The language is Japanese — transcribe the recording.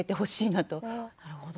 なるほど。